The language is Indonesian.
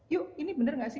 yuk ini bener gak sih